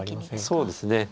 そうですね。